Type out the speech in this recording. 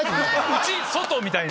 「内」「外」みたいな。